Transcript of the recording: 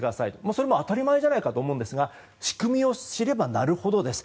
それも当たり前じゃないかと思うんですが仕組みを知ればなるほどです。